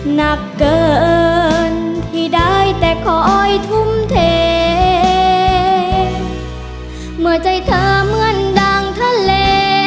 หนักเกินที่ได้แต่คอยทุ่มเทเมื่อใจเธอเหมือนดังทะเล